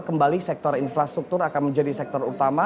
kembali sektor infrastruktur akan menjadi sektor utama